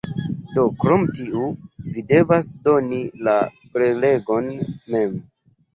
Do krom tiu, vi devas doni la prelegon mem.